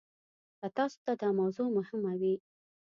که تاسو ته دا موضوع مهمه وي.